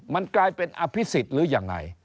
มันกลายเป็นอภิษฎหรือยังไง